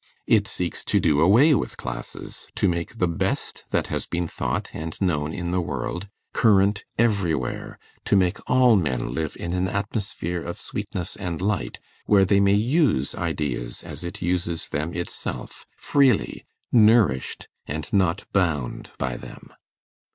It seeks to do away with classes; to make the best that has been thought and known in the world current everywhere; to make all men live in an atmosphere of sweetness and light, where they may use ideas, as it uses them itself, freely, nourished and not bound by them.